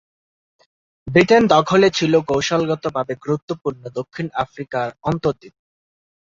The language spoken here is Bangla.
ব্রিটেনের দখলে ছিল কৌশলগতভাবে গুরুত্বপূর্ণ দক্ষিণ আফ্রিকা অন্তরীপ।